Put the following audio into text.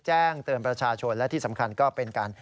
แจ้งเตือนประชาชนและที่สำคัญก็เป็นการ